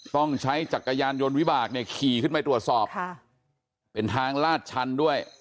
ต้องใช้จักรยานยนต์วิบากเนี่ยขี่ขึ้นไปตรวจสอบค่ะเป็นทางลาดชันด้วย